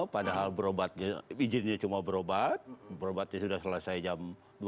padahal izinnya cuma berobat berobatnya sudah selesai jam dua belas